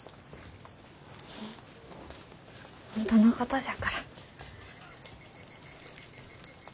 本当のことじゃから。